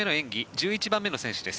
１１番目の選手です。